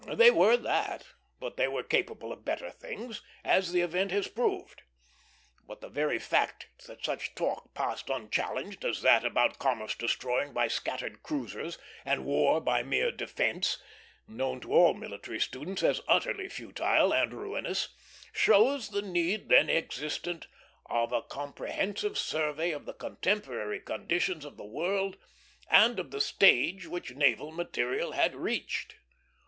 They were that; but they were capable of better things, as the event has proved. But the very fact that such talk passed unchallenged as that about commerce destroying by scattered cruisers, and war by mere defence known to all military students as utterly futile and ruinous shows the need then existent of a comprehensive survey of the contemporary condition of the world, and of the stage which naval material had reached.